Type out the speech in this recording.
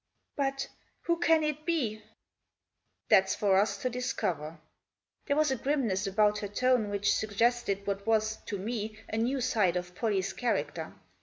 " But— who can it be ?"" That's for us to discover." There was a grimness about her tone which suggested what was, to me, a new side of Pollie's character.